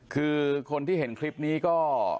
คือคนที่เห็นคลิปนี้ก็